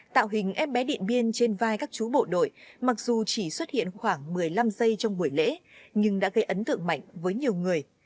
tạo hình em bé điện biên trên vai các chú bộ đội mặc dù chỉ xuất hiện khoảng một mươi năm giây trong buổi lễ nhưng đã gây ấn tượng mạnh với nhiều người